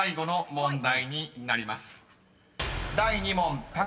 ［問題］